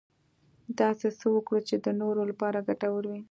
داسې څه وکړه چې د نورو لپاره ګټور وي .